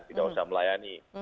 tidak usah melayani